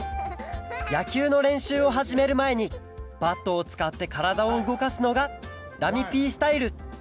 やきゅうのれんしゅうをはじめるまえにバットをつかってからだをうごかすのがラミＰスタイル！